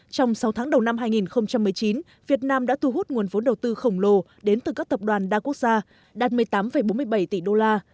trong sáu tháng đầu năm hai nghìn một mươi chín việt nam đã thu hút nguồn vốn đầu tư khổng lồ đến từ các tập đoàn đa quốc gia đạt một mươi tám bốn mươi bảy tỷ đô la